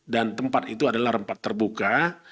dan tempat itu adalah tempat terbuka